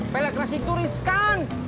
pelek nasi turis kan